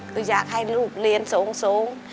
คืออยากให้ลูกเรียนสูง